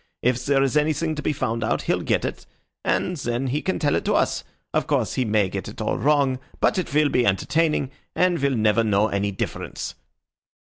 If there is anything to be found out he'll get it, and then he can tell it to us. Of course he may get it all wrong, but it will be entertaining, and we'll never know any difference."